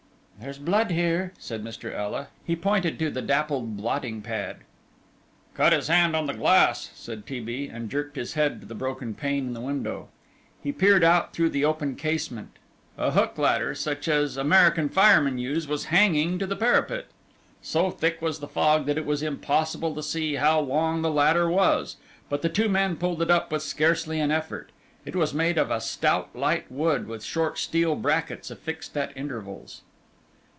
"There's blood here," said Mr. Ela. He pointed to the dappled blotting pad. "Cut his hand on the glass," said T. B. and jerked his head to the broken pane in the window. He peered out through the open casement. A hook ladder, such as American firemen use, was hanging to the parapet. So thick was the fog that it was impossible to see how long the ladder was, but the two men pulled it up with scarcely an effort. It was made of a stout light wood, with short steel brackets affixed at intervals.